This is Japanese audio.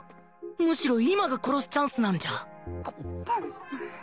むしろ今が殺すチャンスなんじゃ